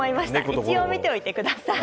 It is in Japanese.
一応見ておいてください。